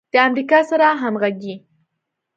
د امریکا سره همغږي